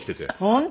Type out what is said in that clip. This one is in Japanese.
本当？